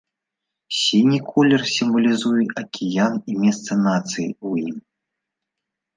Сіні колер сімвалізуе акіян і месца нацыі ў ім.